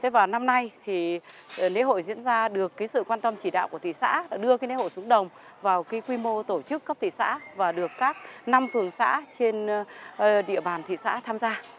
và năm nay lễ hội diễn ra được sự quan tâm chỉ đạo của tỷ xã đưa lễ hội xuống đồng vào quy mô tổ chức cấp thị xã và được các năm phường xã trên địa bàn thị xã tham gia